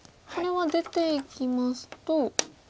これは出ていきますと。